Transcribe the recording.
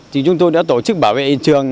thì chúng tôi đã tổ chức bảo vệ hiện trường